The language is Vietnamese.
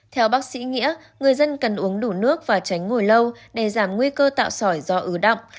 theo bác sĩ nghĩa người dân cần uống đủ nước và tránh ngồi lâu để giảm nguy cơ tạo sỏi do ứ động